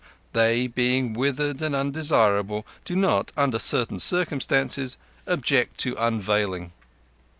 They, being withered and undesirable, do not, under certain circumstances, object to unveiling.